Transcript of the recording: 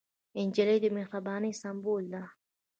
نجلۍ د مهربانۍ سمبول ده.